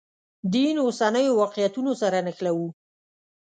دین اوسنیو واقعیتونو سره نښلوو.